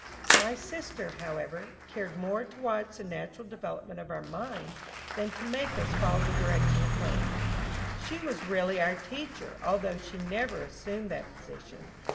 My sister, however, cared more to watch the natural development of our minds than to make us follow the direction of hers. She was really our teacher, although she never assumed that position.